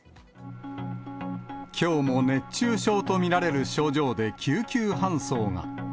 きょうも熱中症と見られる症状で救急搬送が。